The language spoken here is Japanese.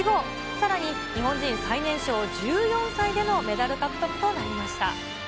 さらに日本人最年少１４歳でのメダル獲得となりました。